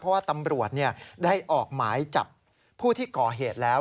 เพราะว่าตำรวจได้ออกหมายจับผู้ที่ก่อเหตุแล้ว